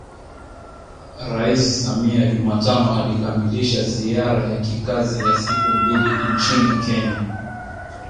Rais Samia Jumatano alikamilisha ziara ya kikazi ya siku mbili nchini Kenya